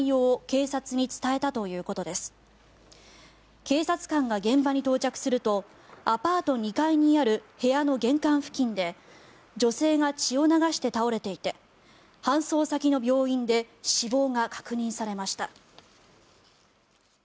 警察官が現場に到着するとアパート２階にある部屋の玄関付近で女性が血を流して倒れていて搬送先の病院で死亡が確認されました。